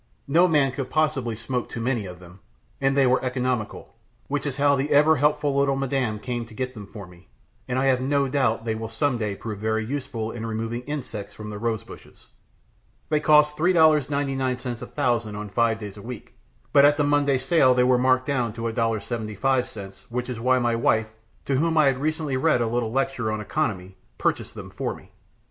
No man could possibly smoke too many of them, and they were economical, which is how the ever helpful little madame came to get them for me, and I have no doubt they will some day prove very useful in removing insects from the rose bushes. They cost $3.99 a thousand on five days a week, but at the Monday sale they were marked down to $1.75, which is why my wife, to whom I had recently read a little lecture on economy, purchased them for me.